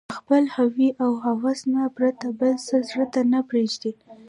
له خپل هوى او هوس نه پرته بل څه زړه ته نه پرېږدي